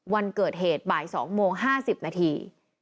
วันเกิดเหตุบ่าย๒โมง๕๐นาที